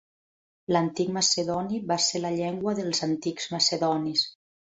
L'antic macedoni va ser la llengua dels antics macedonis.